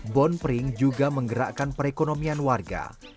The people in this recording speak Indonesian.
bon pring juga menggerakkan perekonomian warga